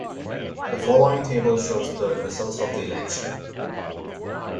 The following table shows the results of the election.